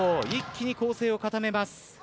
一気に攻勢を固めます。